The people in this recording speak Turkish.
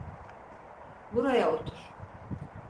Buraya otur.